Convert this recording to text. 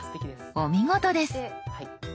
お見事です。